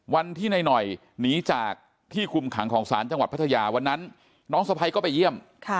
วันที่นายหน่อยหนีจากที่คุมขังของศาลจังหวัดพัทยาวันนั้นน้องสะพ้ายก็ไปเยี่ยม